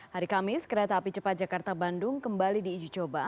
hari kamis kereta api cepat jakarta bandung kembali diuji coba